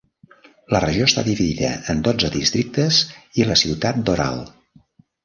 La regió està dividida en dotze districtes i la ciutat d'Oral.